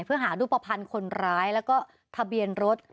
เพื่อหารูปภัณฑ์คนร้ายแล้วก็ทะเบียนรถ